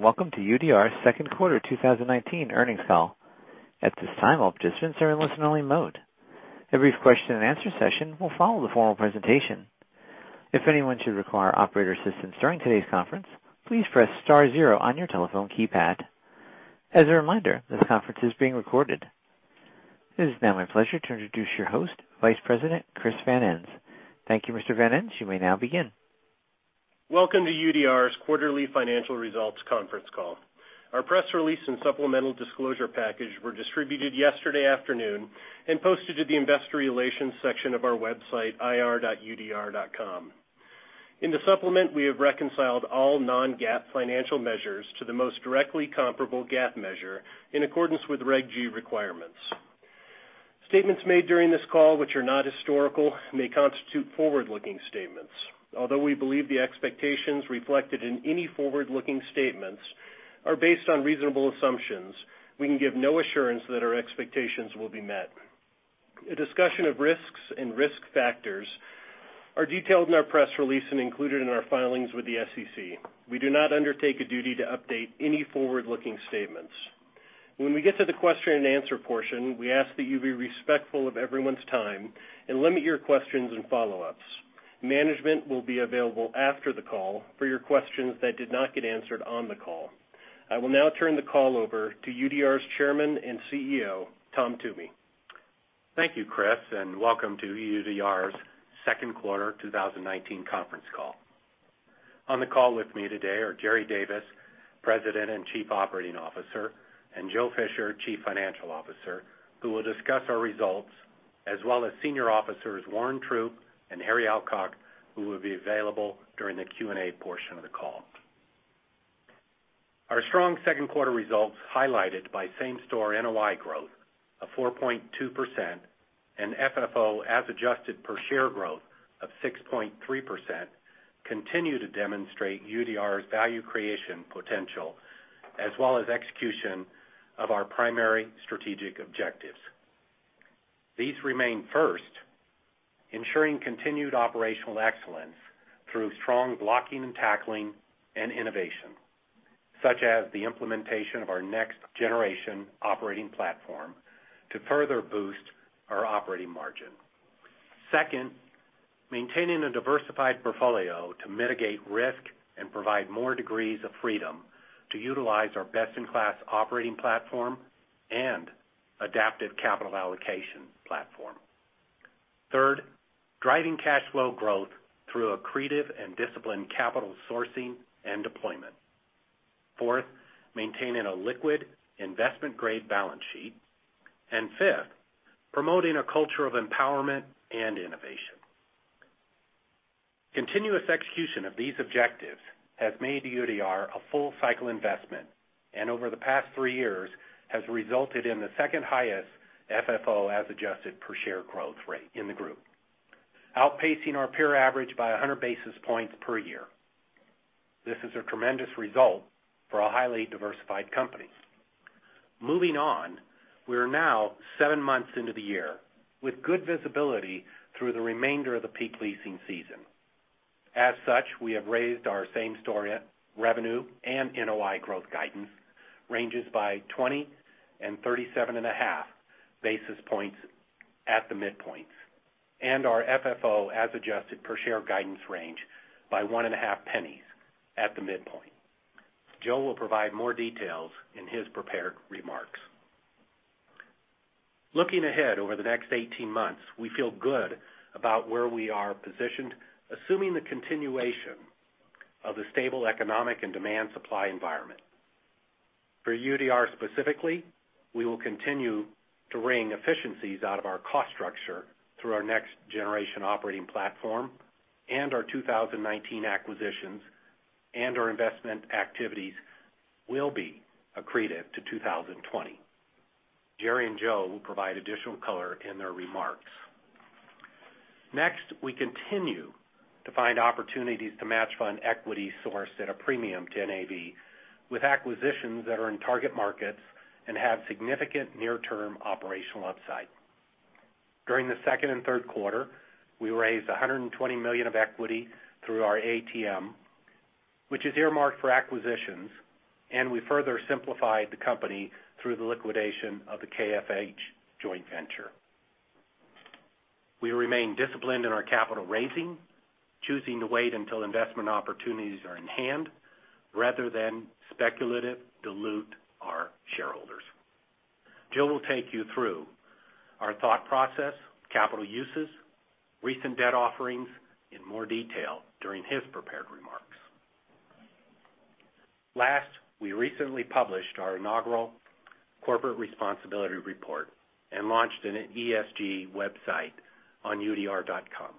Welcome to UDR's second quarter 2019 earnings call. At this time, all participants are in listen-only mode. A brief question and answer session will follow the formal presentation. If anyone should require operator assistance during today's conference, please press star zero on your telephone keypad. As a reminder, this conference is being recorded. It is now my pleasure to introduce your host, Vice President Chris van Ens. Thank you, Mr. van Ens. You may now begin. Welcome to UDR's quarterly financial results conference call. Our press release and supplemental disclosure package were distributed yesterday afternoon and posted to the investor relations section of our website, ir.udr.com. In the supplement, we have reconciled all non-GAAP financial measures to the most directly comparable GAAP measure in accordance with Reg G requirements. Statements made during this call, which are not historical, may constitute forward-looking statements. Although we believe the expectations reflected in any forward-looking statements are based on reasonable assumptions, we can give no assurance that our expectations will be met. A discussion of risks and risk factors are detailed in our press release and included in our filings with the SEC. We do not undertake a duty to update any forward-looking statements. When we get to the question and answer portion, we ask that you be respectful of everyone's time and limit your questions and follow-ups. Management will be available after the call for your questions that did not get answered on the call. I will now turn the call over to UDR's Chairman and CEO, Tom Toomey. Thank you, Chris, and welcome to UDR's second quarter 2019 conference call. On the call with me today are Jerry Davis, President and Chief Operating Officer, and Joe Fisher, Chief Financial Officer, who will discuss our results, as well as senior officers Warren Troupe and Harry Alcock, who will be available during the Q&A portion of the call. Our strong second quarter results, highlighted by same-store NOI growth of 4.2% and FFO as Adjusted per share growth of 6.3%, continue to demonstrate UDR's value creation potential as well as execution of our primary strategic objectives. These remain, first, ensuring continued operational excellence through strong blocking and tackling and innovation, such as the implementation of our next-generation operating platform to further boost our operating margin. Second, maintaining a diversified portfolio to mitigate risk and provide more degrees of freedom to utilize our best-in-class operating platform and adaptive capital allocation platform. Third, driving cash flow growth through accretive and disciplined capital sourcing and deployment. Fourth, maintaining a liquid investment-grade balance sheet. Fifth, promoting a culture of empowerment and innovation. Continuous execution of these objectives has made UDR a full-cycle investment and over the past three years has resulted in the second highest FFO as adjusted per share growth rate in the group, outpacing our peer average by 100 basis points per year. This is a tremendous result for a highly diversified company. Moving on, we are now seven months into the year with good visibility through the remainder of the peak leasing season. As such, we have raised our same-store revenue and NOI growth guidance ranges by 20 and 37.5 basis points at the midpoints and our FFO as adjusted per share guidance range by $0.015 at the midpoint. Joe will provide more details in his prepared remarks. Looking ahead over the next 18 months, we feel good about where we are positioned, assuming the continuation of the stable economic and demand supply environment. For UDR specifically, we will continue to wring efficiencies out of our cost structure through our next-generation operating platform and our 2019 acquisitions and our investment activities will be accretive to 2020. Jerry and Joe will provide additional color in their remarks. We continue to find opportunities to match fund equity sourced at a premium to NAV with acquisitions that are in target markets and have significant near-term operational upside. During the second and third quarter, we raised $120 million of equity through our ATM, which is earmarked for acquisitions, and we further simplified the company through the liquidation of the KFH joint venture. We remain disciplined in our capital raising, choosing to wait until investment opportunities are in hand rather than speculative dilute our shareholders. Joe will take you through our thought process, capital uses, recent debt offerings in more detail during his prepared remarks. Last, we recently published our inaugural corporate responsibility report and launched an ESG website on udr.com.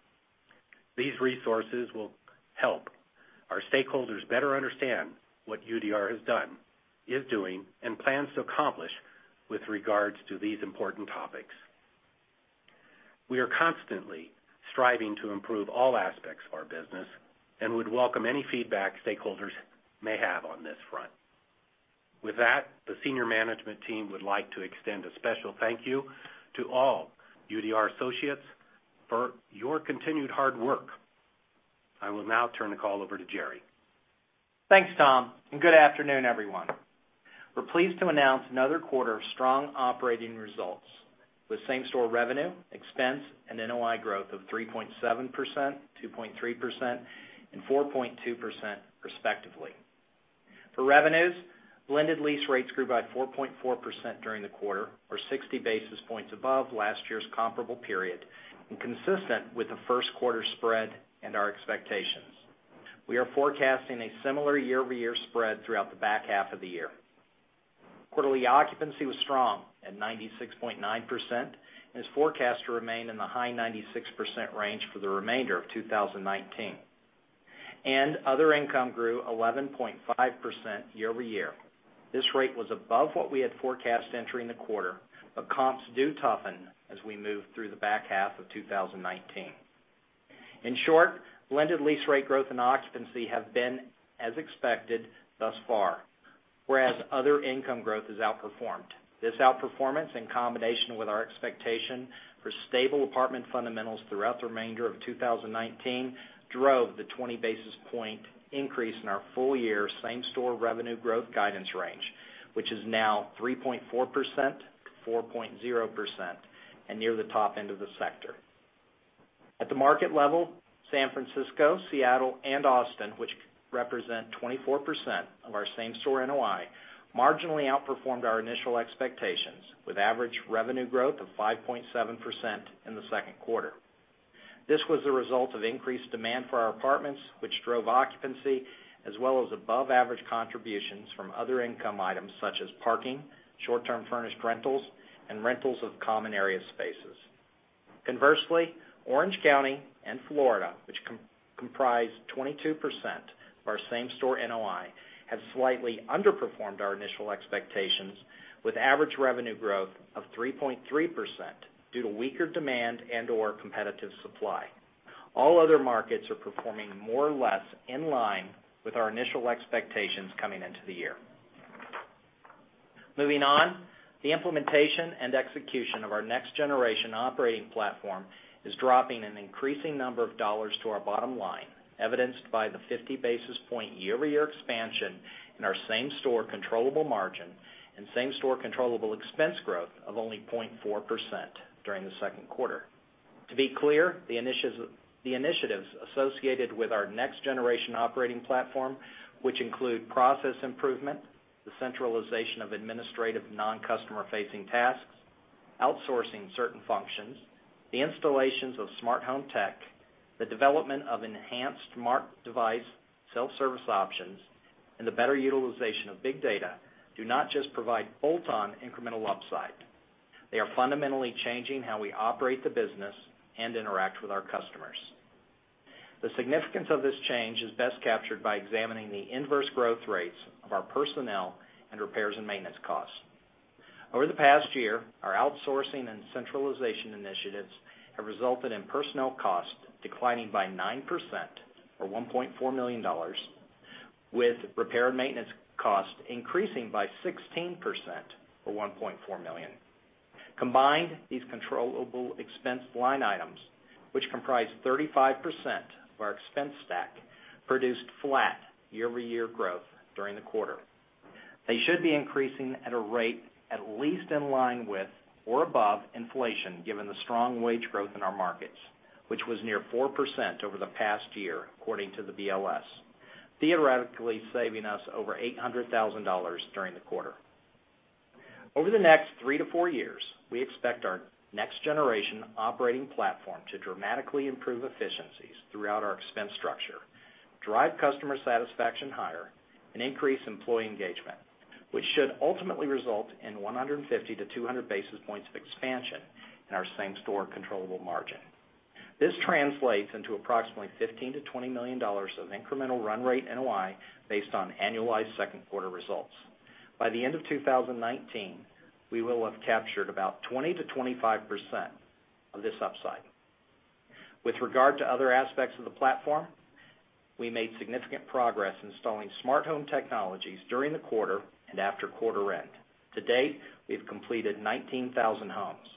These resources will help our stakeholders better understand what UDR has done, is doing, and plans to accomplish with regards to these important topics. We are constantly striving to improve all aspects of our business and would welcome any feedback stakeholders may have on this front. With that, the senior management team would like to extend a special thank you to all UDR associates for your continued hard work. I will now turn the call over to Jerry. Thanks, Tom. Good afternoon, everyone. We're pleased to announce another quarter of strong operating results with same-store revenue, expense, and NOI growth of 3.7%, 2.3%, and 4.2% respectively. For revenues, blended lease rates grew by 4.4% during the quarter, or 60 basis points above last year's comparable period, and consistent with the first quarter spread and our expectations. We are forecasting a similar year-over-year spread throughout the back half of the year. Quarterly occupancy was strong at 96.9%, and is forecast to remain in the high 96% range for the remainder of 2019. Other income grew 11.5% year-over-year. This rate was above what we had forecast entering the quarter, but comps do toughen as we move through the back half of 2019. In short, blended lease rate growth and occupancy have been as expected thus far, whereas other income growth has outperformed. This outperformance, in combination with our expectation for stable apartment fundamentals throughout the remainder of 2019, drove the 20-basis point increase in our full-year same-store revenue growth guidance range, which is now 3.4%-4.0%, and near the top end of the sector. At the market level, San Francisco, Seattle, and Austin, which represent 24% of our same-store NOI, marginally outperformed our initial expectations with average revenue growth of 5.7% in the second quarter. This was the result of increased demand for our apartments, which drove occupancy, as well as above-average contributions from other income items such as parking, short-term furnished rentals, and rentals of common area spaces. Conversely, Orange County and Florida, which comprise 22% of our same-store NOI, have slightly underperformed our initial expectations with average revenue growth of 3.3% due to weaker demand and/or competitive supply. All other markets are performing more or less in line with our initial expectations coming into the year. Moving on, the implementation and execution of our Next-Generation Operating Platform is dropping an increasing number of dollars to our bottom line, evidenced by the 50-basis-point year-over-year expansion in our same-store controllable margin and same-store controllable expense growth of only 0.4% during the second quarter. To be clear, the initiatives associated with our Next-Generation Operating Platform, which include process improvement, the centralization of administrative non-customer-facing tasks, outsourcing certain functions, the installations of smart home tech, the development of enhanced smart device self-service options, and the better utilization of big data, do not just provide bolt-on incremental upside. They are fundamentally changing how we operate the business and interact with our customers. The significance of this change is best captured by examining the inverse growth rates of our personnel and repairs and maintenance costs. Over the past year, our outsourcing and centralization initiatives have resulted in personnel costs declining by 9%, or $1.4 million, with repair and maintenance costs increasing by 16%, or $1.4 million. Combined, these controllable expense line items, which comprise 35% of our expense stack, produced flat year-over-year growth during the quarter. They should be increasing at a rate at least in line with or above inflation given the strong wage growth in our markets, which was near 4% over the past year according to the BLS, theoretically saving us over $800,000 during the quarter. Over the next three to four years, we expect our next-generation operating platform to dramatically improve efficiencies throughout our expense structure, drive customer satisfaction higher, and increase employee engagement, which should ultimately result in 150 to 200 basis points of expansion in our same-store controllable margin. This translates into approximately $15 million-$20 million of incremental run rate NOI based on annualized second-quarter results. By the end of 2019, we will have captured about 20%-25% of this upside. With regard to other aspects of the platform, we made significant progress installing smart home technologies during the quarter and after quarter end. To date, we've completed 19,000 homes.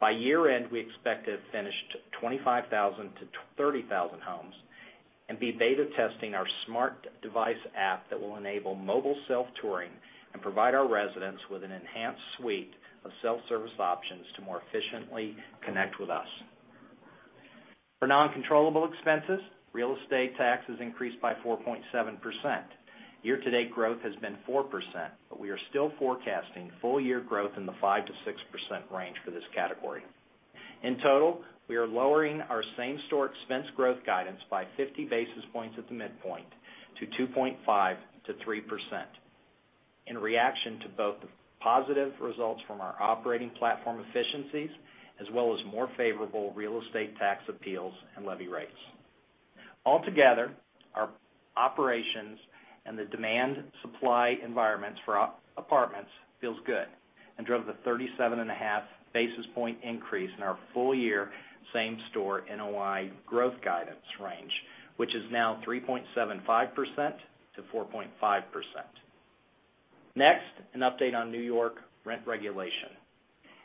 By year-end, we expect to have finished 25,000 to 30,000 homes and be beta testing our smart device app that will enable mobile self-touring and provide our residents with an enhanced suite of self-service options to more efficiently connect with us. For non-controllable expenses, real estate taxes increased by 4.7%. Year-to-date growth has been 4%, we are still forecasting full-year growth in the 5%-6% range for this category. In total, we are lowering our same-store expense growth guidance by 50 basis points at the midpoint to 2.5%-3% in reaction to both the positive results from our operating platform efficiencies as well as more favorable real estate tax appeals and levy rates. Altogether, our operations and the demand supply environments for our apartments feels good. Drove the 37.5 basis points increase in our full year same store NOI growth guidance range, which is now 3.75%-4.5%. Next, an update on New York rent regulation.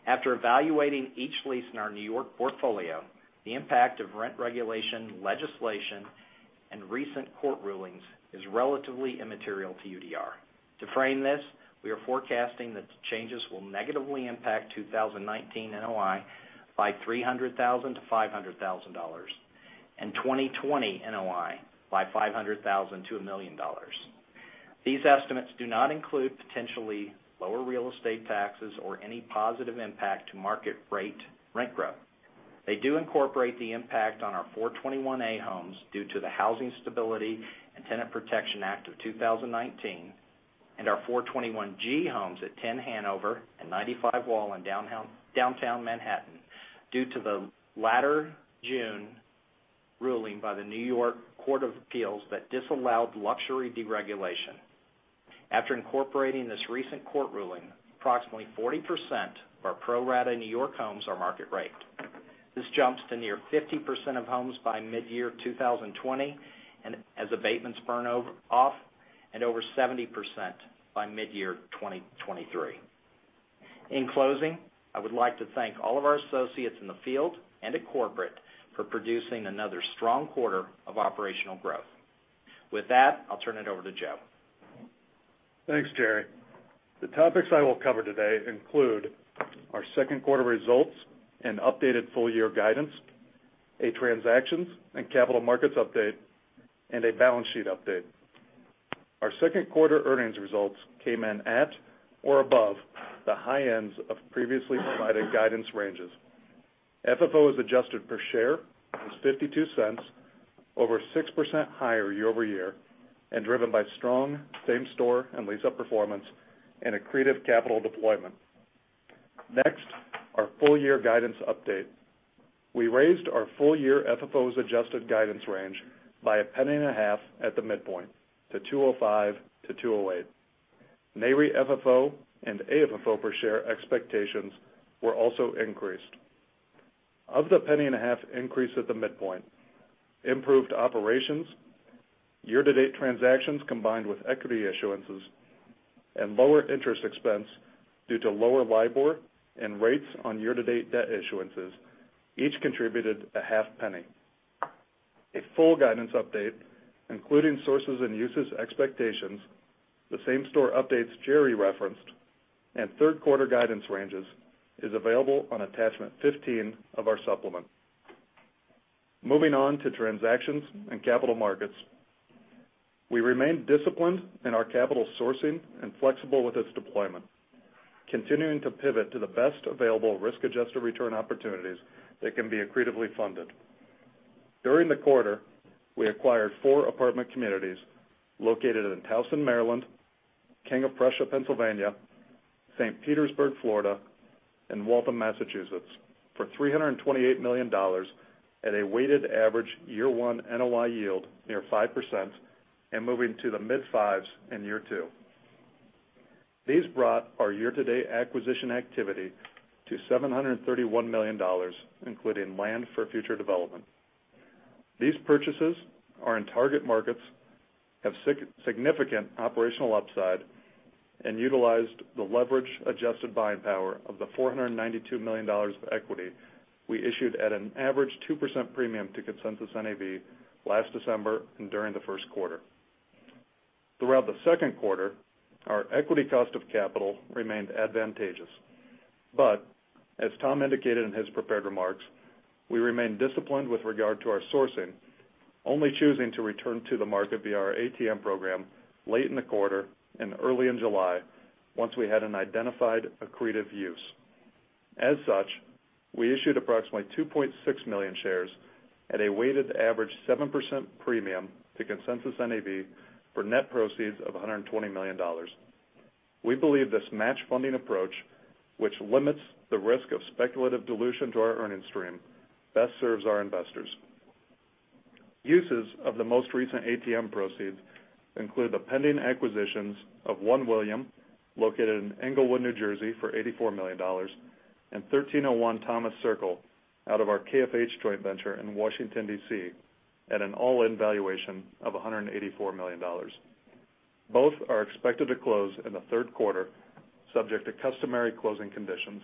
After evaluating each lease in our New York portfolio, the impact of rent regulation legislation and recent court rulings is relatively immaterial to UDR. To frame this, we are forecasting that the changes will negatively impact 2019 NOI by $300,000-$500,000, and 2020 NOI by $500,000-$1 million. These estimates do not include potentially lower real estate taxes or any positive impact to market rate rent growth. They do incorporate the impact on our 421-a homes due to the Housing Stability and Tenant Protection Act of 2019, and our 421-g homes at Ten Hanover and 95 Wall in downtown Manhattan due to the latter June ruling by the New York Court of Appeals that disallowed luxury deregulation. After incorporating this recent court ruling, approximately 40% of our pro rata New York homes are market rated. This jumps to near 50% of homes by mid-year 2020, and as abatements burn off, and over 70% by mid-year 2023. In closing, I would like to thank all of our associates in the field and at corporate for producing another strong quarter of operational growth. With that, I'll turn it over to Joe. Thanks, Jerry. The topics I will cover today include our second quarter results and updated full year guidance, a transactions and capital markets update, and a balance sheet update. Our second quarter earnings results came in at or above the high ends of previously provided guidance ranges. FFO as Adjusted per share was $0.52 over 6% higher year-over-year, and driven by strong same store and lease up performance and accretive capital deployment. Next, our full year guidance update. We raised our full year FFO as Adjusted guidance range by $0.015 at the midpoint to $2.05-$2.08. NOI, FFO, and AFFO per share expectations were also increased. Of the penny and a half increase at the midpoint, improved operations, year to date transactions combined with equity issuances, and lower interest expense due to lower LIBOR and rates on year to date debt issuances, each contributed a half penny. A full guidance update, including sources and uses expectations, the same store updates Jerry referenced, and third quarter guidance ranges is available on attachment 15 of our supplement. Moving on to transactions and capital markets. We remain disciplined in our capital sourcing and flexible with its deployment, continuing to pivot to the best available risk-adjusted return opportunities that can be accretively funded. During the quarter, we acquired four apartment communities located in Towson, Maryland, King of Prussia, Pennsylvania, St. Petersburg, Florida, and Waltham, Massachusetts, for $328 million at a weighted average year one NOI yield near 5% and moving to the mid-fives in year two. These brought our year-to-date acquisition activity to $731 million, including land for future development. These purchases are in target markets, have significant operational upside, and utilized the leverage adjusted buying power of the $492 million of equity we issued at an average 2% premium to consensus NAV last December and during the first quarter. Throughout the second quarter, our equity cost of capital remained advantageous. As Tom indicated in his prepared remarks, we remain disciplined with regard to our sourcing, only choosing to return to the market via our ATM program late in the quarter and early in July once we had an identified accretive use. As such, we issued approximately 2.6 million shares at a weighted average 7% premium to consensus NAV for net proceeds of $120 million. We believe this match funding approach, which limits the risk of speculative dilution to our earnings stream, best serves our investors. Uses of the most recent ATM proceeds include the pending acquisitions of One William, located in Englewood, New Jersey, for $84 million, and 1301 Thomas Circle out of our KFH joint venture in Washington, D.C., at an all-in valuation of $184 million. Both are expected to close in the third quarter, subject to customary closing conditions.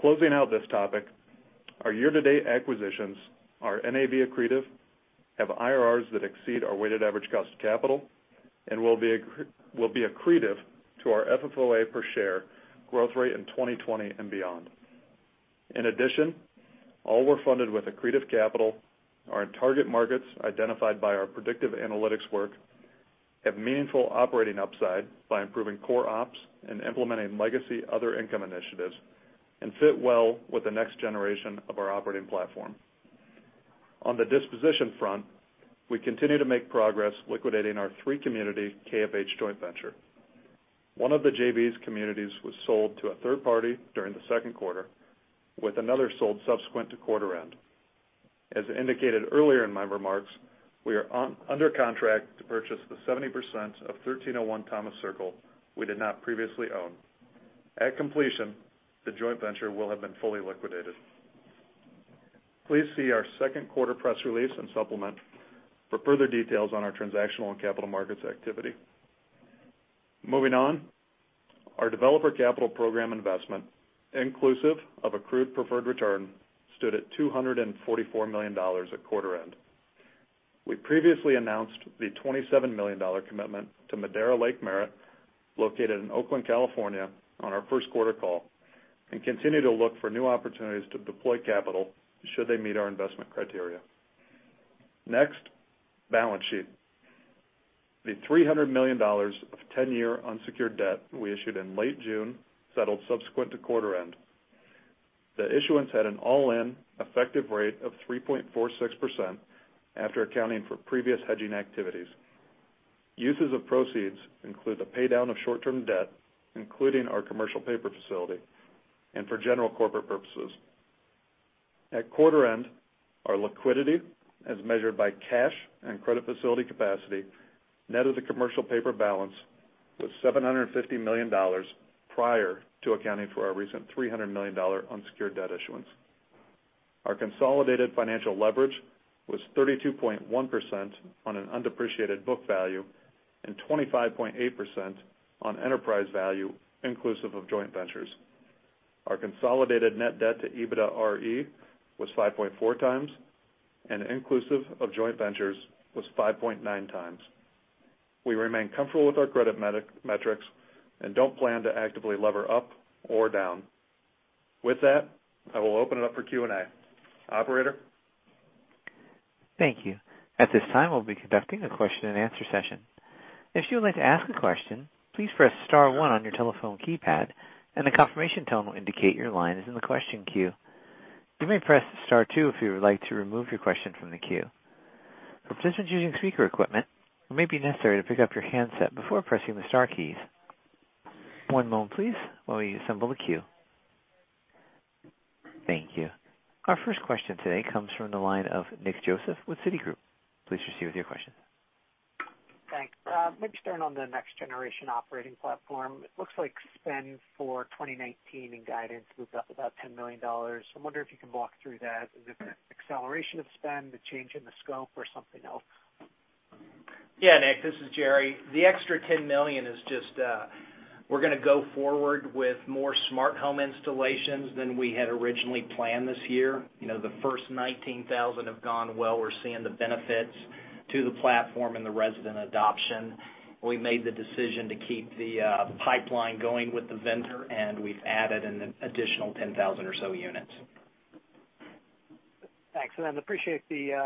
Closing out this topic, our year to date acquisitions are NAV accretive, have IRRs that exceed our weighted average cost of capital, and will be accretive to our FFOA per share growth rate in 2020 and beyond. In addition, all were funded with accretive capital, are in target markets identified by our predictive analytics work, have meaningful operating upside by improving core ops and implementing legacy other income initiatives, and fit well with the next generation of our operating platform. On the disposition front, we continue to make progress liquidating our three-community KFH joint venture. One of the JV's communities was sold to a third party during the second quarter, with another sold subsequent to quarter end. As indicated earlier in my remarks, we are under contract to purchase the 70% of 1301 Thomas Circle we did not previously own. At completion, the joint venture will have been fully liquidated. Please see our second quarter press release and supplement for further details on our transactional and capital markets activity. Moving on. Our developer capital program investment, inclusive of accrued preferred return, stood at $244 million at quarter end. We previously announced the $27 million commitment to Modera Lake Merritt, located in Oakland, California, on our first quarter call, and continue to look for new opportunities to deploy capital should they meet our investment criteria. Balance sheet. The $300 million of 10-year unsecured debt we issued in late June settled subsequent to quarter end. The issuance had an all-in effective rate of 3.46% after accounting for previous hedging activities. Uses of proceeds include the pay down of short-term debt, including our commercial paper facility, and for general corporate purposes. At quarter end, our liquidity, as measured by cash and credit facility capacity, net of the commercial paper balance, was $750 million prior to accounting for our recent $300 million unsecured debt issuance. Our consolidated financial leverage was 32.1% on an undepreciated book value and 25.8% on enterprise value inclusive of joint ventures. Our consolidated net debt to EBITDAre was 5.4 times and inclusive of joint ventures was 5.9 times. We remain comfortable with our credit metrics and don't plan to actively lever up or down. With that, I will open it up for Q&A. Operator? Thank you. At this time, we'll be conducting a question and answer session. If you would like to ask a question, please press *1 on your telephone keypad, and a confirmation tone will indicate your line is in the question queue. You may press *2 if you would like to remove your question from the queue. For participants using speaker equipment, it may be necessary to pick up your handset before pressing the star keys. One moment please while we assemble the queue. Thank you. Our first question today comes from the line of Nick Joseph with Citigroup. Please proceed with your question. Thanks. Maybe starting on the next generation operating platform. It looks like spend for 2019 in guidance was up about $10 million. I wonder if you can walk through that. Is it the acceleration of spend, the change in the scope, or something else? Yeah, Nick, this is Jerry. The extra $10 million is just, we're going to go forward with more smart home installations than we had originally planned this year. The first 19,000 have gone well. We're seeing the benefits to the platform and the resident adoption. We made the decision to keep the pipeline going with the vendor, and we've added an additional 10,000 or so units. Thanks. Appreciate the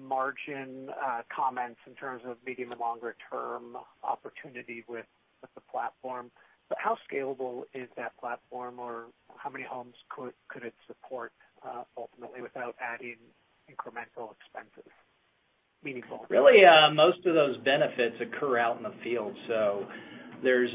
margin comments in terms of medium and longer term opportunity with the platform. But how scalable is that platform? Or how many homes could it support ultimately without adding incremental expenses meaningfully? Really, most of those benefits occur out in the field. There's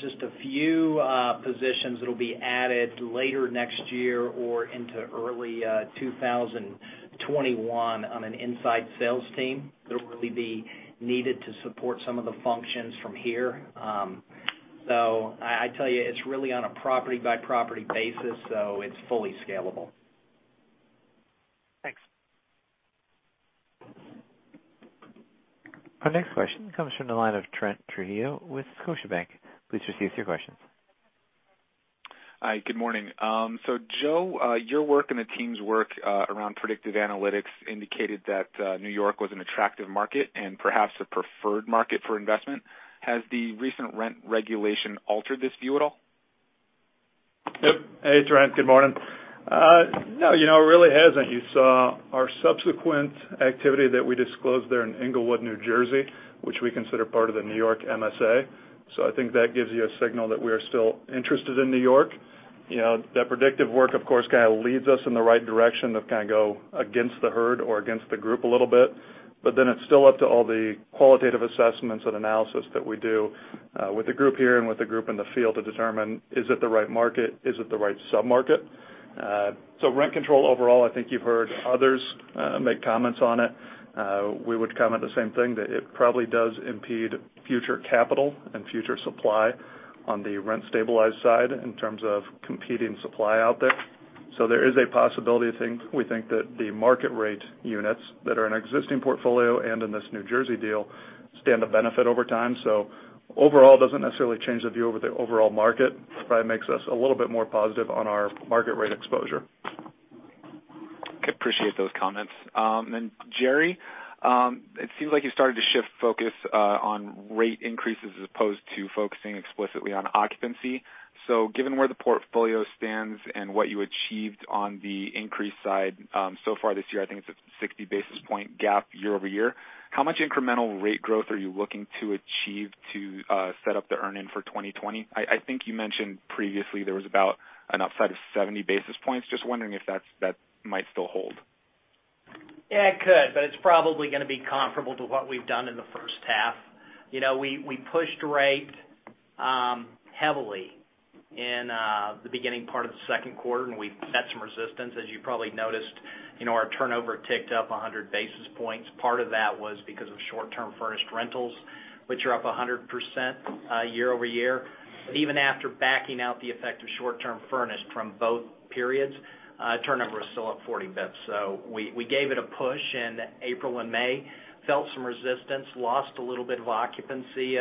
just a few positions that'll be added later next year or into early 2021 on an inside sales team that'll really be needed to support some of the functions from here. I tell you, it's really on a property-by-property basis, so it's fully scalable. Thanks. Our next question comes from the line of Trent Trujillo with Scotiabank. Please proceed with your questions. Hi. Good morning. Joe, your work and the team's work around predictive analytics indicated that New York was an attractive market and perhaps a preferred market for investment. Has the recent rent regulation altered this view at all? Yep. Hey, Trent. Good morning. No, it really hasn't. You saw our subsequent activity that we disclosed there in Englewood, New Jersey, which we consider part of the N.Y. MSA. I think that gives you a signal that we are still interested in New York. That predictive work, of course, kind of leads us in the right direction to kind of go against the herd or against the group a little bit. It's still up to all the qualitative assessments and analysis that we do with the group here and with the group in the field to determine, is it the right market? Is it the right sub-market? Rent control overall, I think you've heard others make comments on it. We would comment the same thing, that it probably does impede future capital and future supply on the rent stabilized side in terms of competing supply out there. There is a possibility, we think, that the market-rate units that are in our existing portfolio and in this New Jersey deal, stand to benefit over time. Overall, doesn't necessarily change the view of the overall market. Probably makes us a little bit more positive on our market-rate exposure. Appreciate those comments. Jerry, it seems like you've started to shift focus on rate increases as opposed to focusing explicitly on occupancy. Given where the portfolio stands and what you achieved on the increase side so far this year, I think it's a 60 basis point gap year-over-year. How much incremental rate growth are you looking to achieve to set up the earn-in for 2020? I think you mentioned previously there was about an upside of 70 basis points. Just wondering if that might still hold. It's probably going to be comparable to what we've done in the first half. We pushed rate heavily in the beginning part of the second quarter, and we met some resistance, as you probably noticed, our turnover ticked up 100 basis points. Part of that was because of short-term furnished rentals, which are up 100% year-over-year. Even after backing out the effect of short-term furnished from both periods, turnover is still up 40 basis points. We gave it a push in April and May, felt some resistance, lost a little bit of occupancy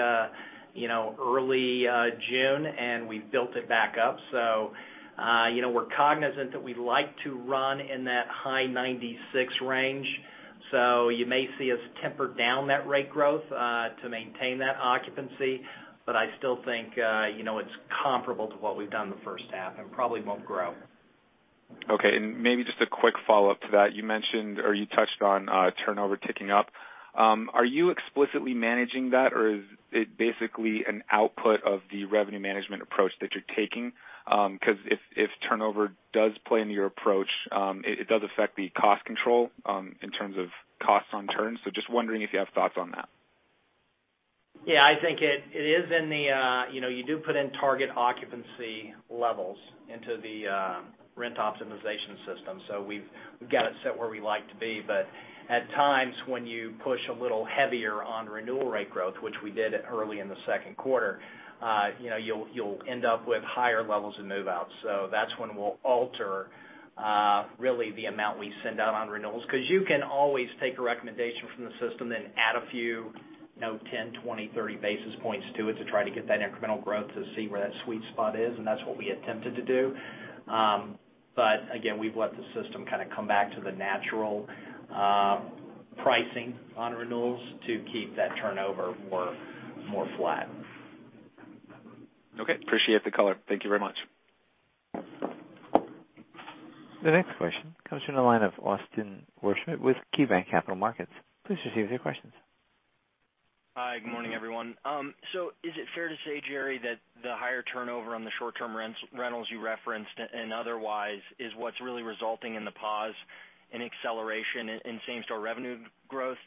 early June, and we've built it back up. We're cognizant that we like to run in that high 96 range. You may see us temper down that rate growth to maintain that occupancy. I still think it's comparable to what we've done in the first half and probably won't grow. Okay. Maybe just a quick follow-up to that. You mentioned, or you touched on turnover ticking up. Are you explicitly managing that, or is it basically an output of the revenue management approach that you're taking? Because if turnover does play into your approach, it does affect the cost control in terms of costs on turns. Just wondering if you have thoughts on that. Yeah, I think you do put in target occupancy levels into the rent optimization system. We've got it set where we like to be, but at times, when you push a little heavier on renewal rate growth, which we did early in the second quarter, you'll end up with higher levels of move-out. That's when we'll alter, really the amount we send out on renewals. You can always take a recommendation from the system, then add a few, 10, 20, 30 basis points to it to try to get that incremental growth to see where that sweet spot is, and that's what we attempted to do. Again, we've let the system kind of come back to the natural pricing on renewals to keep that turnover more flat. Okay. Appreciate the color. Thank you very much. The next question comes from the line of Austin Wurschmidt with KeyBanc Capital Markets. Please proceed with your questions. Hi, good morning, everyone. Is it fair to say, Jerry, that the higher turnover on the short-term rentals you referenced and otherwise is what's really resulting in the pause in acceleration in same-store revenue growth,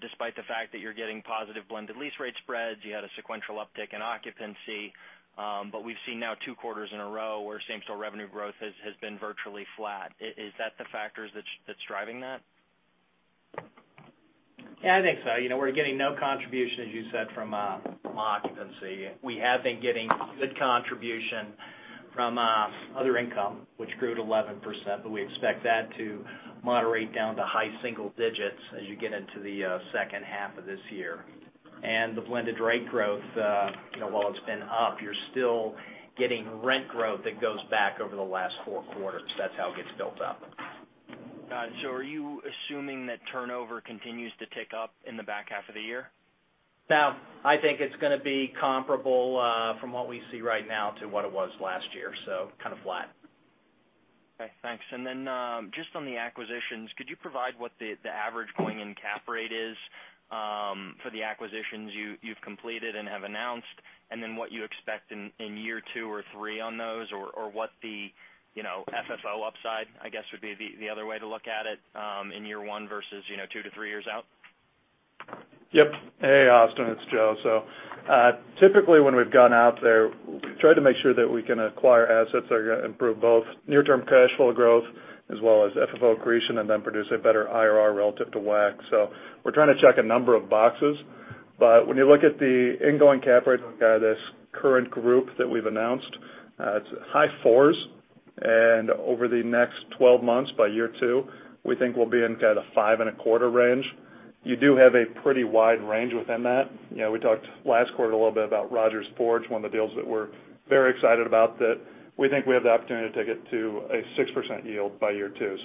despite the fact that you're getting positive blended lease rate spreads, you had a sequential uptick in occupancy. We've seen now two quarters in a row where same-store revenue growth has been virtually flat. Is that the factors that's driving that? Yeah, I think so. We're getting no contribution, as you said, from occupancy. We have been getting good contribution from other income, which grew to 11%, but we expect that to moderate down to high single digits as you get into the second half of this year. The blended rate growth, while it's been up, you're still getting rent growth that goes back over the last four quarters. That's how it gets built up. Got it. Are you assuming that turnover continues to tick up in the back half of the year? No, I think it's going to be comparable from what we see right now to what it was last year, so kind of flat. Okay, thanks. Just on the acquisitions, could you provide what the average going-in cap rate is for the acquisitions you've completed and have announced, and then what you expect in year two or three on those, or what the FFO upside, I guess, would be the other way to look at it, in year one versus two to three years out? Yep. Hey, Austin, it's Joe. Typically when we've gone out there, we try to make sure that we can acquire assets that are going to improve both near-term cash flow growth as well as FFO accretion, and then produce a better IRR relative to WACC. We're trying to check a number of boxes. When you look at the in-going cap rate of this current group that we've announced, it's high fours, and over the next 12 months, by year 2, we think we'll be in kind of five and a quarter range. You do have a pretty wide range within that. We talked last quarter a little bit about Rodgers Forge, one of the deals that we're very excited about, that we think we have the opportunity to take it to a 6% yield by year 2.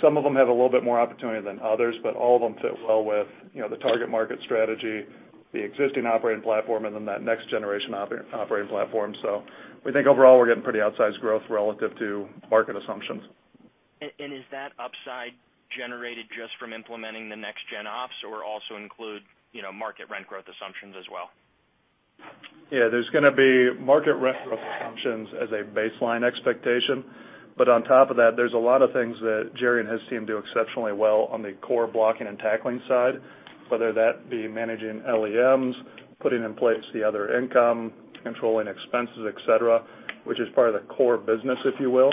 Some of them have a little bit more opportunity than others, but all of them fit well with the target market strategy, the existing operating platform, and then that next generation operating platform. We think overall, we're getting pretty outsized growth relative to market assumptions. Is that upside generated just from implementing the next gen ops or also include market rent growth assumptions as well? Yeah, there's going to be market rent growth assumptions as a baseline expectation. On top of that, there's a lot of things that Jerry and his team do exceptionally well on the core blocking and tackling side, whether that be managing LEMs, putting in place the other income, controlling expenses, et cetera, which is part of the core business, if you will.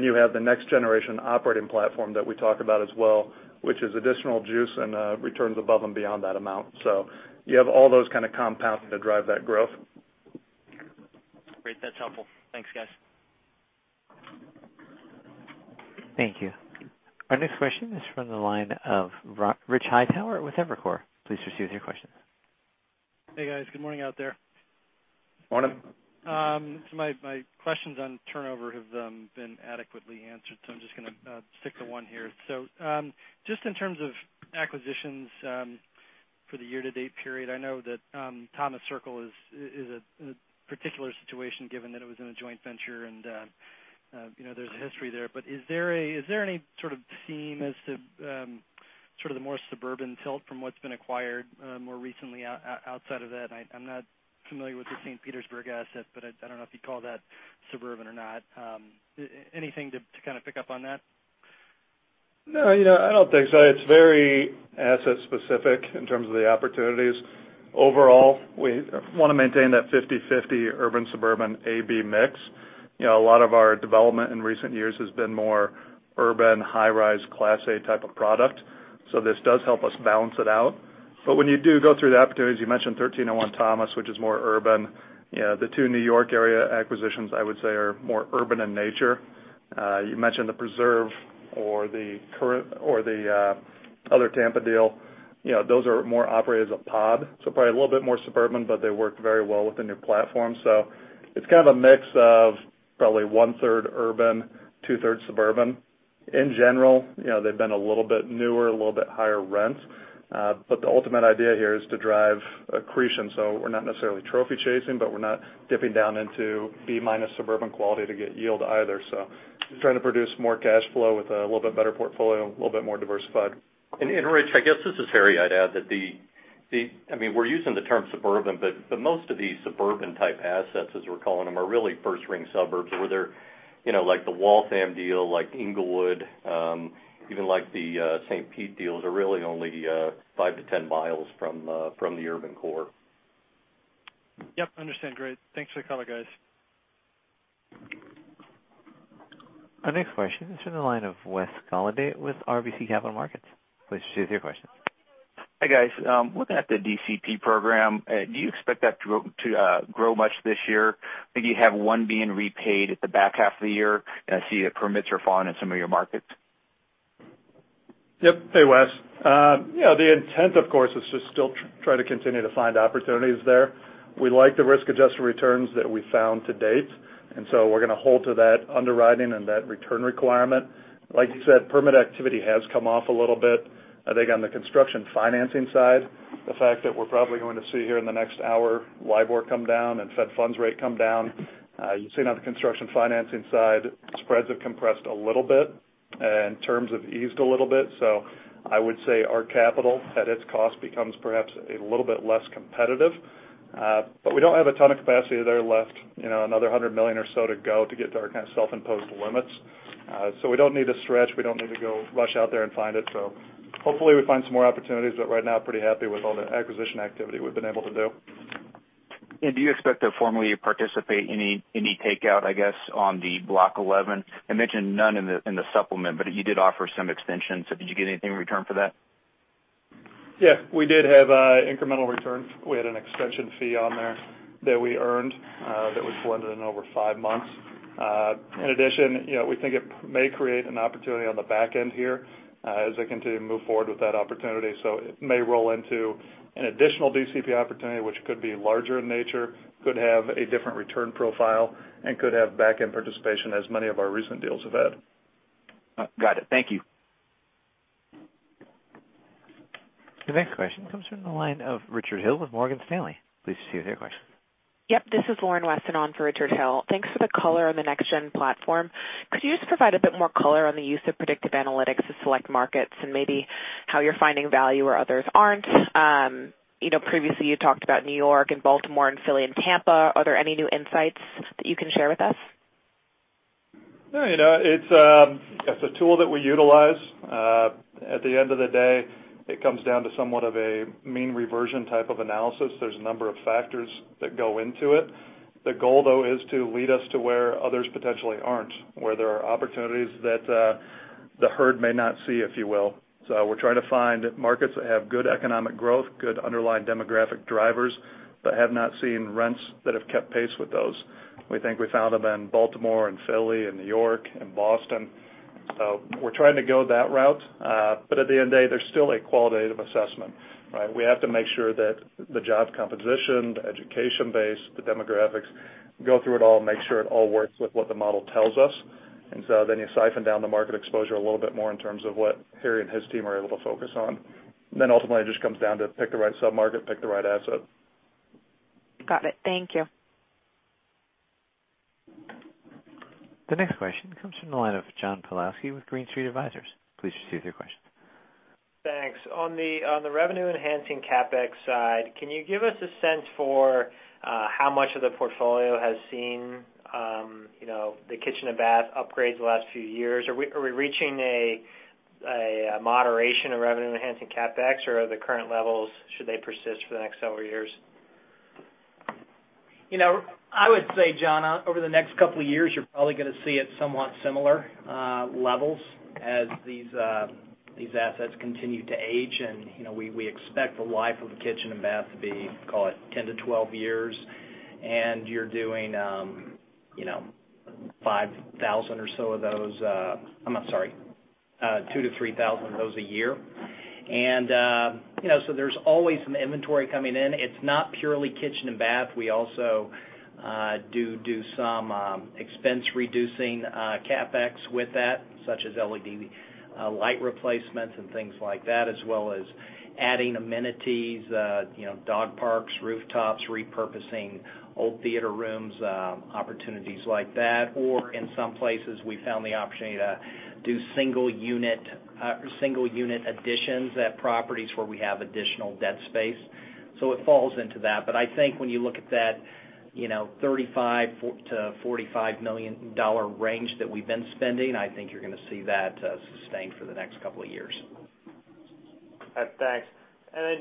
You have the next generation operating platform that we talk about as well, which is additional juice and returns above and beyond that amount. You have all those kind of compounding to drive that growth. Great. That's helpful. Thanks, guys. Thank you. Our next question is from the line of Rich Hightower with Evercore. Please proceed with your questions. Hey, guys. Good morning out there. Morning. My questions on turnover have been adequately answered, so I'm just going to stick to one here. Just in terms of acquisitions for the year-to-date period, I know that Thomas Circle is a particular situation, given that it was in a joint venture and there's a history there. Is there any sort of theme as to sort of the more suburban tilt from what's been acquired more recently outside of that? I'm not familiar with The Preserve at Gateway, but I don't know if you'd call that suburban or not. Anything to kind of pick up on that? No, I don't think so. It's very asset-specific in terms of the opportunities. Overall, we want to maintain that 50/50 urban/suburban AB mix. A lot of our development in recent years has been more urban, high-rise, class A type of product. This does help us balance it out. When you do go through the opportunities, you mentioned 1301 Thomas, which is more urban. The two New York area acquisitions, I would say, are more urban in nature. You mentioned The Preserve or the other Tampa deal. Those are more operated as a pod, so probably a little bit more suburban, but they work very well within your platform. It's kind of a mix of probably one-third urban, two-thirds suburban. In general, they've been a little bit newer, a little bit higher rents. The ultimate idea here is to drive accretion. We're not necessarily trophy-chasing, but we're not dipping down into B-minus suburban quality to get yield either. We're trying to produce more cash flow with a little bit better portfolio, a little bit more diversified. Rich, I guess this is Harry. I'd add that we're using the term suburban, but most of these suburban-type assets, as we're calling them, are really first-ring suburbs where they're like the Waltham deal, like Englewood, even like the St. Pete deals, are really only five to 10 miles from the urban core. Yep, understand. Great. Thanks for the color, guys. Our next question is from the line of Wes Golladay with RBC Capital Markets. Please proceed with your question. Hi, guys. Looking at the DCP Program, do you expect that to grow much this year? I think you have one being repaid at the back half of the year. I see the permits are falling in some of your markets. Yep. Hey, Wes. The intent, of course, is to still try to continue to find opportunities there. We like the risk-adjusted returns that we've found to date, and so we're going to hold to that underwriting and that return requirement. Like you said, permit activity has come off a little bit. I think on the construction financing side, the fact that we're probably going to see here in the next hour LIBOR come down and Fed funds rate come down. You've seen on the construction financing side, spreads have compressed a little bit and terms have eased a little bit. I would say our capital at its cost becomes perhaps a little bit less competitive. We don't have a ton of capacity there left, another $100 million or so to go to get to our kind of self-imposed limits. We don't need to stretch. We don't need to go rush out there and find it. Hopefully we find some more opportunities, but right now, pretty happy with all the acquisition activity we've been able to do. Do you expect to formally participate any takeout, I guess, on the Block 11? I mentioned none in the supplement, but you did offer some extensions. Did you get anything in return for that? We did have incremental return. We had an extension fee on there that we earned that was blended in over five months. In addition, we think it may create an opportunity on the back end here as they continue to move forward with that opportunity. It may roll into an additional DCP opportunity, which could be larger in nature, could have a different return profile, and could have back-end participation as many of our recent deals have had. Got it. Thank you. The next question comes from the line of Richard Hill with Morgan Stanley. Please proceed with your question. Yep. This is Lauren Weston on for Richard Hill. Thanks for the color on the NextGen platform. Could you just provide a bit more color on the use of predictive analytics to select markets and maybe how you're finding value where others aren't? Previously, you talked about New York and Baltimore and Philly and Tampa. Are there any new insights that you can share with us? It's a tool that we utilize. At the end of the day, it comes down to somewhat of a mean reversion type of analysis. There's a number of factors that go into it. The goal, though, is to lead us to where others potentially aren't, where there are opportunities that the herd may not see, if you will. We're trying to find markets that have good economic growth, good underlying demographic drivers, but have not seen rents that have kept pace with those. We think we found them in Baltimore and Philly and New York and Boston. We're trying to go that route. At the end of the day, there's still a qualitative assessment, right? We have to make sure that the job composition, the education base, the demographics, go through it all, make sure it all works with what the model tells us. You siphon down the market exposure a little bit more in terms of what Harry and his team are able to focus on. Ultimately, it just comes down to pick the right sub-market, pick the right asset. Got it. Thank you. The next question comes from the line of John Pawlowski with Green Street Advisors. Please proceed with your question. Thanks. On the revenue-enhancing CapEx side, can you give us a sense for how much of the portfolio has seen the kitchen and bath upgrades the last few years? Are we reaching a moderation of revenue-enhancing CapEx, or are the current levels, should they persist for the next several years? I would say, John, over the next couple of years, you're probably going to see it somewhat similar levels as these assets continue to age, and we expect the life of a kitchen and bath to be, call it, 10 to 12 years, and you're doing 5,000 or so of those I'm sorry, 2,000 to 3,000 of those a year. There's always some inventory coming in. It's not purely kitchen and bath. We also do some expense-reducing CapEx with that, such as LED light replacements and things like that, as well as adding amenities, dog parks, rooftops, repurposing old theater rooms, opportunities like that. In some places, we found the opportunity to do single-unit additions at properties where we have additional dead space. So it falls into that. I think when you look at that $35 million-$45 million range that we've been spending, I think you're going to see that sustain for the next couple of years. Okay, thanks.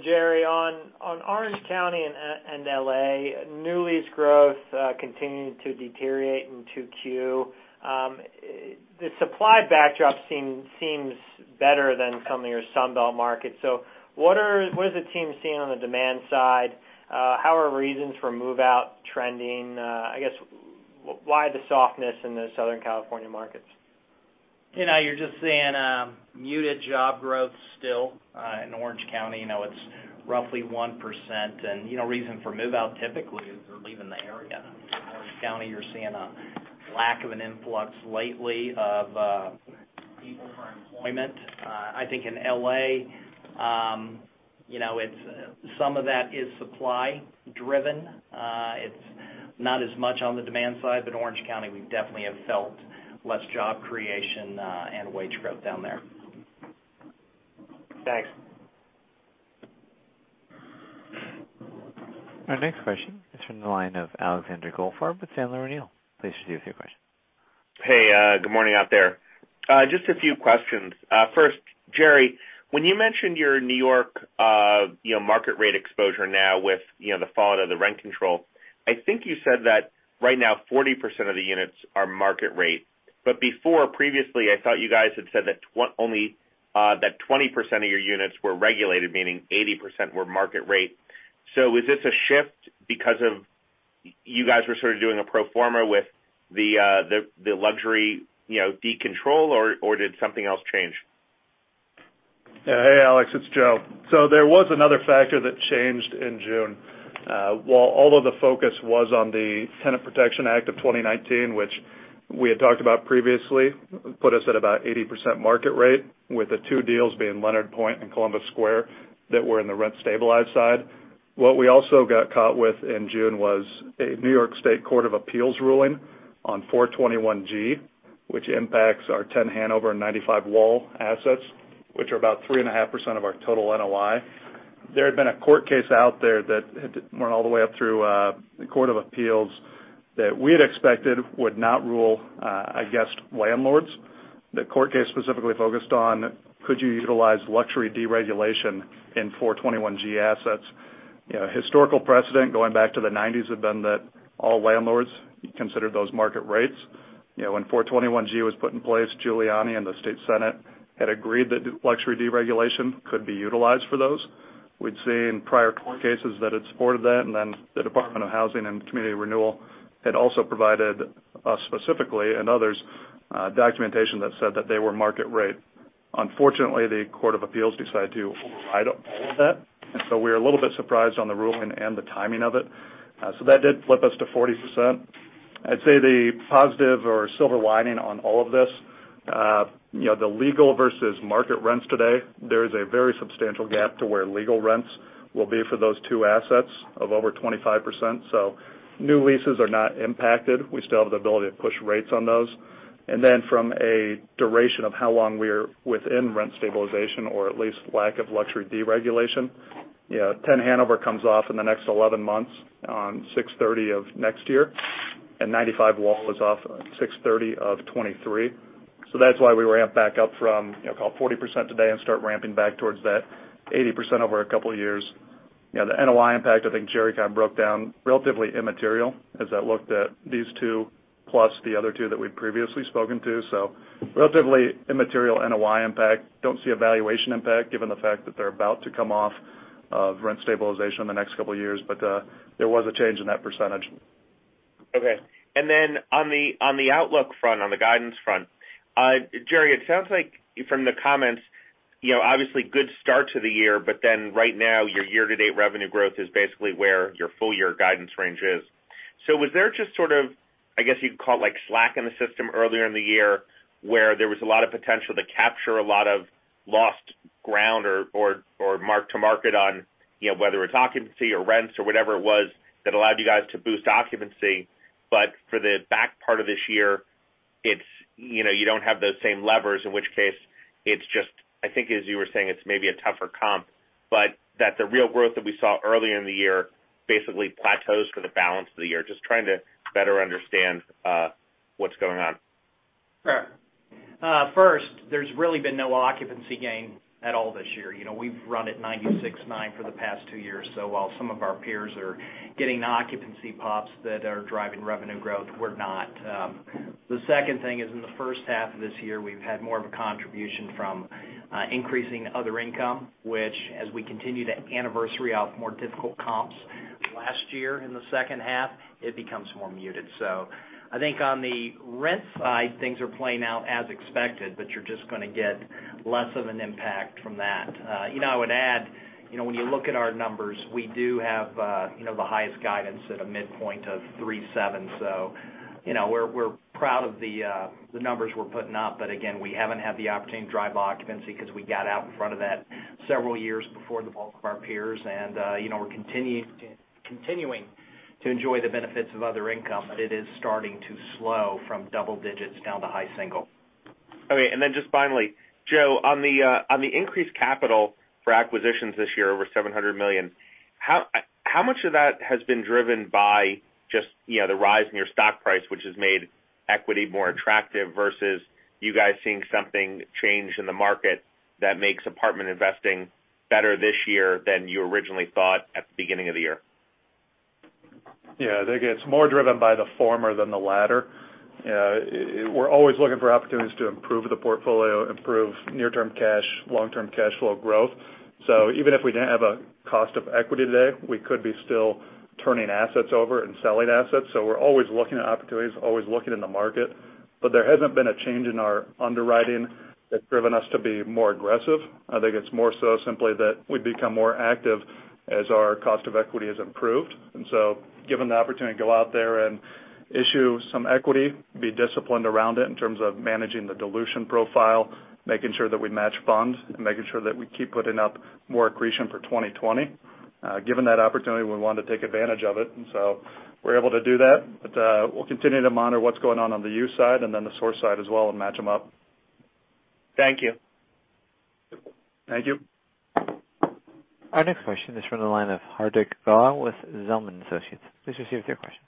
Jerry, on Orange County and L.A., new lease growth continuing to deteriorate in 2Q. The supply backdrop seems better than some of your Sunbelt markets. What is the team seeing on the demand side? How are reasons for move-out trending? I guess, why the softness in the Southern California markets? You're just seeing muted job growth still in Orange County. It's roughly 1%. Reason for move-out typically is they're leaving the area. In Orange County, you're seeing a lack of an influx lately of people for employment. I think in L.A., some of that is supply-driven. Orange County, we definitely have felt less job creation and wage growth down there. Thanks. Our next question is from the line of Alexander Goldfarb with Sandler O'Neill. Please proceed with your question. Hey, good morning out there. Just a few questions. First, Jerry, when you mentioned your New York market rate exposure now with the fallout of the rent control, I think you said that right now 40% of the units are market rate. But before, previously, I thought you guys had said that 20% of your units were regulated, meaning 80% were market rate. Is this a shift because of you guys were sort of doing a pro forma with the luxury decontrol, or did something else change? Hey, Alex, it's Joe. There was another factor that changed in June. While all of the focus was on the Tenant Protection Act of 2019, which we had talked about previously, put us at about 80% market rate, with the two deals being Leonard Pointe and Columbus Square that were in the rent stabilized side. What we also got caught with in June was a New York Court of Appeals ruling on 421-g, which impacts our 10 Hanover and 95 Wall assets, which are about 3.5% of our total NOI. There had been a court case out there that had went all the way up through the Court of Appeals that we had expected would not rule against landlords. The court case specifically focused on could you utilize luxury deregulation in 421-g assets. Historical precedent going back to the '90s had been that all landlords considered those market rates. When 421-g was put in place, Giuliani and the State Senate had agreed that luxury deregulation could be utilized for those. We'd seen prior court cases that had supported that, the Division of Housing and Community Renewal had also provided us specifically, and others, documentation that said that they were market-rate. Unfortunately, the Court of Appeals decided to override all of that, we were a little bit surprised on the ruling and the timing of it. That did flip us to 40%. I'd say the positive or silver lining on all of this, the legal versus market rents today, there is a very substantial gap to where legal rents will be for those two assets of over 25%. New leases are not impacted. We still have the ability to push rates on those. From a duration of how long we're within rent stabilization, or at least lack of luxury deregulation, 10 Hanover comes off in the next 11 months on 6/30 of next year, and 95 Wall is off 6/30 of 2023. That's why we ramp back up from about 40% today and start ramping back towards that 80% over a couple of years. The NOI impact, I think Jerry kind of broke down, relatively immaterial as I looked at these two plus the other two that we've previously spoken to. Relatively immaterial NOI impact. Don't see a valuation impact given the fact that they're about to come off of rent stabilization in the next couple of years, but there was a change in that percentage. Okay. On the outlook front, on the guidance front, Jerry, it sounds like from the comments, obviously good start to the year, right now your year-to-date revenue growth is basically where your full-year guidance range is. Was there just sort of, I guess you'd call it slack in the system earlier in the year, where there was a lot of potential to capture a lot of lost ground or mark-to-market on whether it's occupancy or rents or whatever it was that allowed you guys to boost occupancy, but for the back part of this year, you don't have those same levers, in which case it's just, I think as you were saying, it's maybe a tougher comp, but that the real growth that we saw earlier in the year basically plateaus for the balance of the year. Just trying to better understand what's going on. Sure. First, there's really been no occupancy gain at all this year. We've run at 96.9 for the past two years. While some of our peers are getting occupancy pops that are driving revenue growth, we're not. The second thing is in the first half of this year, we've had more of a contribution from increasing other income, which as we continue to anniversary off more difficult comps last year in the second half, it becomes more muted. I think on the rent side, things are playing out as expected, but you're just going to get less of an impact from that. I would add, when you look at our numbers, we do have the highest guidance at a midpoint of 3.7. We're proud of the numbers we're putting up. Again, we haven't had the opportunity to drive occupancy because we got out in front of that several years before the bulk of our peers. We're continuing to enjoy the benefits of other income, but it is starting to slow from double digits down to high single. Okay. Just finally, Joe, on the increased capital for acquisitions this year, over $700 million, how much of that has been driven by just the rise in your stock price, which has made equity more attractive, versus you guys seeing something change in the market that makes apartment investing better this year than you originally thought at the beginning of the year? I think it's more driven by the former than the latter. We're always looking for opportunities to improve the portfolio, improve near-term cash, long-term cash flow growth. Even if we didn't have a cost of equity today, we could be still turning assets over and selling assets. We're always looking at opportunities, always looking in the market, but there hasn't been a change in our underwriting that's driven us to be more aggressive. I think it's more so simply that we've become more active as our cost of equity has improved. Given the opportunity to go out there and issue some equity, be disciplined around it in terms of managing the dilution profile, making sure that we match funds, and making sure that we keep putting up more accretion for 2020. Given that opportunity, we want to take advantage of it, and so we're able to do that. We'll continue to monitor what's going on on the use side and then the source side as well and match them up. Thank you. Thank you. Our next question is from the line of Hardik Goel with Zelman & Associates. Please proceed with your question.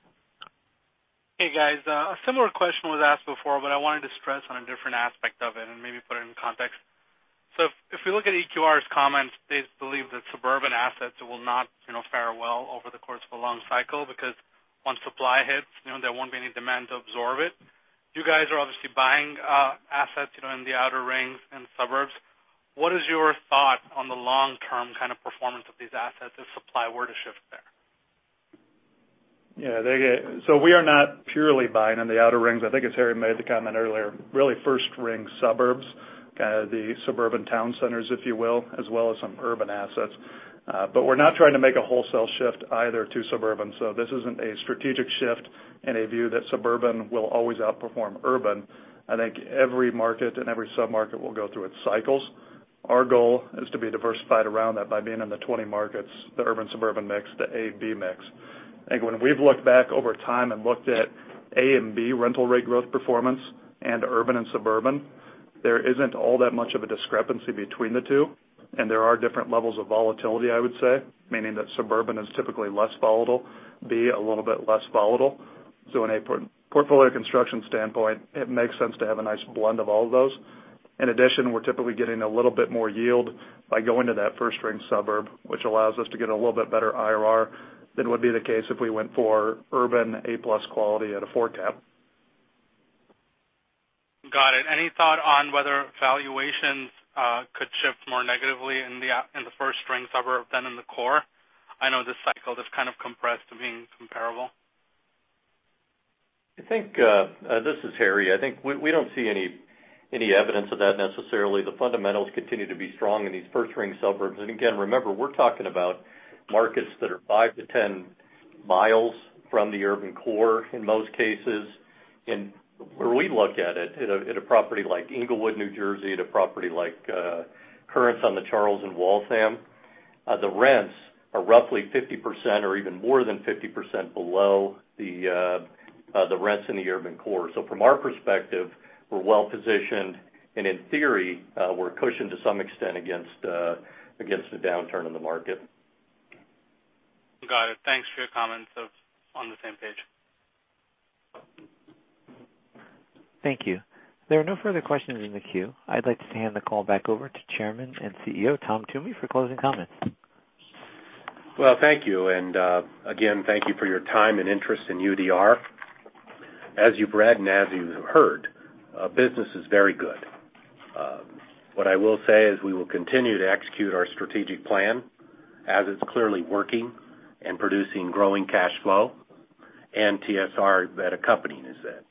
Hey, guys. A similar question was asked before. I wanted to stress on a different aspect of it and maybe put it in context. If we look at EQR's comments, they believe that suburban assets will not fare well over the course of a long cycle because once supply hits, there won't be any demand to absorb it. You guys are obviously buying assets in the outer rings and suburbs. What is your thought on the long-term kind of performance of these assets if supply were to shift there? Yeah. We are not purely buying in the outer rings. I think as Harry made the comment earlier, really first-ring suburbs, the suburban town centers, if you will, as well as some urban assets. We're not trying to make a wholesale shift either to suburban. This isn't a strategic shift and a view that suburban will always outperform urban. I think every market and every sub-market will go through its cycles. Our goal is to be diversified around that by being in the 20 markets, the urban-suburban mix, the A-B mix. I think when we've looked back over time and looked at A and B rental rate growth performance and urban and suburban, there isn't all that much of a discrepancy between the two, and there are different levels of volatility, I would say, meaning that suburban is typically less volatile, B, a little bit less volatile. In a portfolio construction standpoint, it makes sense to have a nice blend of all of those. In addition, we're typically getting a little bit more yield by going to that first-ring suburb, which allows us to get a little bit better IRR than would be the case if we went for urban A-plus quality at a four cap. Got it. Any thought on whether valuations could shift more negatively in the first-ring suburb than in the core? I know this cycle is kind of compressed to being comparable. This is Harry. I think we don't see any evidence of that necessarily. The fundamentals continue to be strong in these first-ring suburbs. Again, remember, we're talking about markets that are 5 to 10 miles from the urban core in most cases. Where we look at it, at a property like Englewood, New Jersey, at a property like Currents on the Charles in Waltham, the rents are roughly 50% or even more than 50% below the rents in the urban core. From our perspective, we're well-positioned, and in theory, we're cushioned to some extent against a downturn in the market. Got it. Thanks for your comments. On the same page. Thank you. There are no further questions in the queue. I'd like to hand the call back over to Chairman and CEO, Tom Toomey, for closing comments. Well, thank you. Again, thank you for your time and interest in UDR. As you've read and as you've heard, business is very good. What I will say is we will continue to execute our strategic plan as it's clearly working and producing growing cash flow and TSR that accompanies it.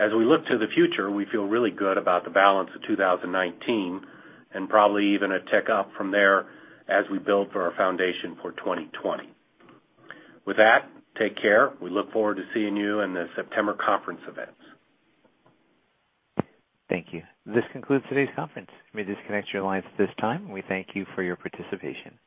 As we look to the future, we feel really good about the balance of 2019 and probably even a tick up from there as we build for our foundation for 2020. With that, take care. We look forward to seeing you in the September conference events. Thank you. This concludes today's conference. You may disconnect your lines at this time. We thank you for your participation.